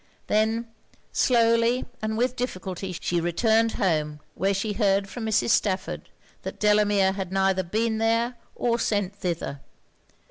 Then, slowly and with difficulty, she returned home; where she heard from Mrs. Stafford that Delamere had neither been there or sent thither.